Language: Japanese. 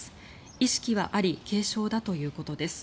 意識はあり軽傷だということです。